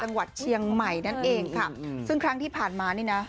จังหวัดเชียงใหม่นั่นเองค่ะอืมซึ่งครั้งที่ผ่านมานี่นะ